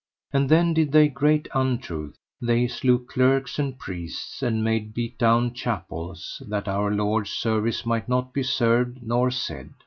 And then did they great untruth: they slew clerks and priests, and made beat down chapels, that Our Lord's service might not be served nor said.